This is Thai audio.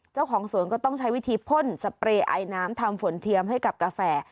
เจ้าของสวนก็ต้องใช้วิธีพ่นสเปรย์ไอน้ำทำฝนเทียมให้กับกาแฟ